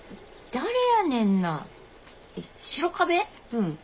うん。